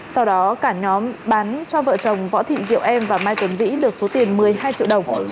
sau đó cả nhóm bán cho vợ chồng võ thị diệu em và mai tuấn vĩ được số tiền một mươi hai triệu đồng